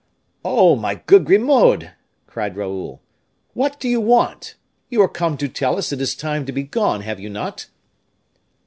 "Oh! my good Grimaud," cried Raoul, "what do you want? You are come to tell us it is time to be gone, have you not?"